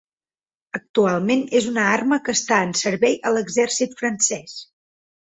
Actualment és una arma que està en servei a l'exèrcit francés.